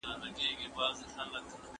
ښوونه او روزنه بشري پانګه جوړوي.